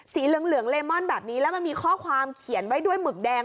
เหลืองเลมอนแบบนี้แล้วมันมีข้อความเขียนไว้ด้วยหมึกแดง